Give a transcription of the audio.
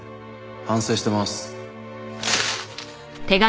「反省しています」